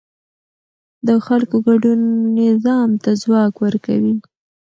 د خلکو ګډون نظام ته ځواک ورکوي